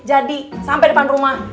jadi sampai depan rumah